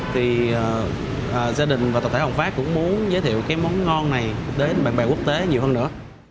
thì gia đình và tập thể hồng pháp cũng muốn giới thiệu cái món ngon này đến bạn bè quốc tế nhiều hơn nữa